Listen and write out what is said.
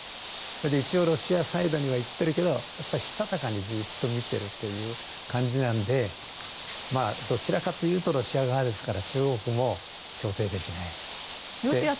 一応、ロシアサイドからはしたたかにずっと見ているという感じなのでどちらかというとロシア側ですから中国も調停できない。